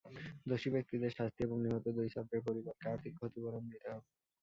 দোষী ব্যক্তিদের শাস্তি এবং নিহত দুই ছাত্রের পরিবারকে আর্থিক ক্ষতিপূরণ দিতে হবে।